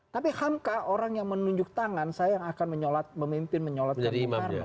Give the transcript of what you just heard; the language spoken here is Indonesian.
tapi hamka orang yang menunjuk tangan saya yang akan menyolat memimpin menyolatkan bung karno